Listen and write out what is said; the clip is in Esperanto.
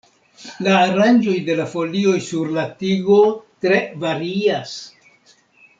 La aranĝo de la folioj sur la tigo tre varias.